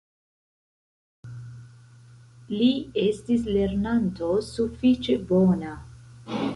Li estis lernanto sufiĉe bona.